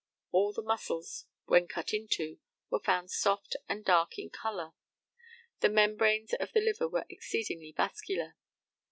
All the muscles, when cut into, were found soft and dark in colour. The membranes of the liver were exceedingly vascular.